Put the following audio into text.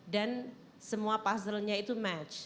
dan semua puzzle nya itu match